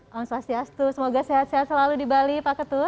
selamat malam suastiastu semoga sehat sehat selalu di bali pak ketut